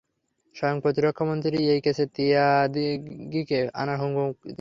স্বয়ং প্রতিরক্ষা মন্ত্রী এই কেসে তিয়াগিকে আনার হুকুম দিয়েছে।